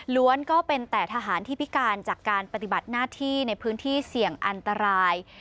ก็เป็นแต่ทหารที่พิการจากการปฏิบัติหน้าที่ในพื้นที่เสี่ยงอันตราย